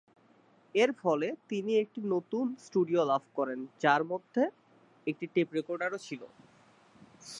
এর ফলে তিনি একটি নতুন স্টুডিও লাভ করেন, যার মধ্যে একটি টেপ রেকর্ডারও ছিল।